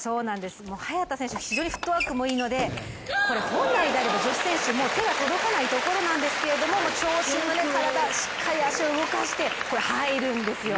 早田選手、非常にフットワークもいいので本来であれば女子選手、手が届かないところなんですけども長身の体、しっかり足を動かしてこれ、入るんですよ。